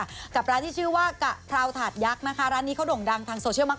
กับร้านที่ชื่อว่ากะเพราถาดยักษ์นะคะร้านนี้เขาด่งดังทางโซเชียลมาก